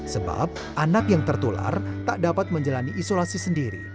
sebab anak yang tertular tak dapat menjalani isolasi sendiri